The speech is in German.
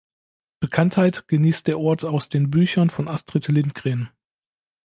Bekanntheit genießt der Ort aus den Büchern von Astrid Lindgren.